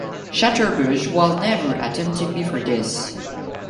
Chaturbhuj was never attempted before this.